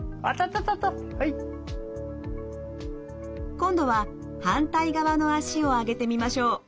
今度は反対側の脚を上げてみましょう。